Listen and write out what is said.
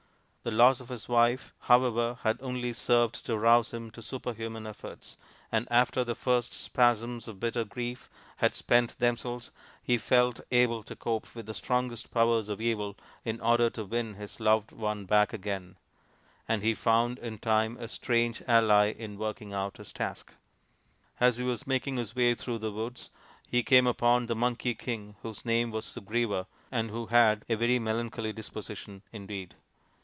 The loss of his wife, however, had only served to rouse him to superhuman efforts, and after the first spasms of bitter grief had spent themselves he felt able to cope with the strongest powers of evil in order to win his loved one back again ; and he found, in time, a strange ally in working out his task. As he was making his way through the woods he came upon the Monkey King, whose name was Sugriva and who had a very melancholy disposition indeed.